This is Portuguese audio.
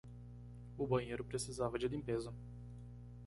O banheiro precisava de limpeza.